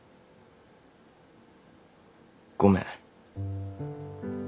ごめん。